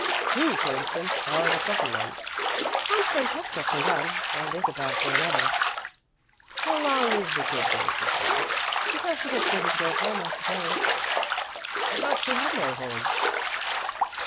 "Who, for instance, are the fluffy ones?" "Aunt Francesca for one and Isabel for another." "How long is the kid going to stay?" "Until she gets ready to go home, I suppose." "I thought she had no home."